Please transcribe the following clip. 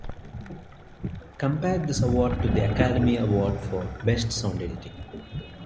Compare this award to the Academy Award for Best Sound Editing.